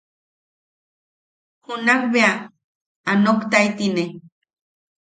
Junak bea a noktaitine.